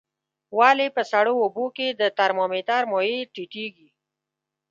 ولې په سړو اوبو کې د ترمامتر مایع ټیټیږي؟